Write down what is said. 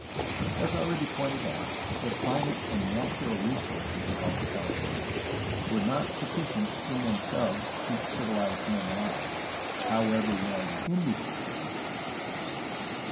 As already pointed out, the climate and natural resources of Alta California were not sufficient in themselves to keep civilized men alive, however well the Indians were able to subsist.